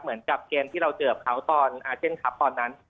เหมือนกับเกมที่เราเจอกับเขาตอนอาเซียนคลับตอนนั้น